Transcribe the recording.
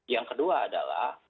yang kedua adalah